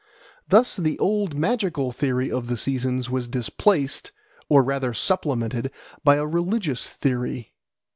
Thus the old magical theory of the seasons was displaced, or rather supplemented, by a religious theory.